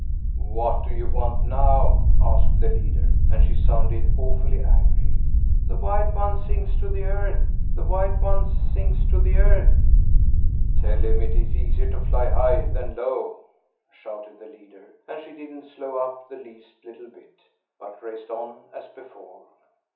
"What do you want now?" asked the leader and she sounded awfully angry. "The white one sinks to the earth; the white one sinks to the earth." "Tell him it's easier to fly high than low!" shouted the leader, and she didn't slow up the least little bit, but raced on as before.